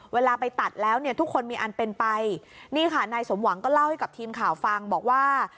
เวลาไปตัดแล้วเนี่ยทุกคนมีอันเป็นไปนี่ค่ะนายสมหวังก็เล่าให้กับทีมข่าวฟังบอกว่า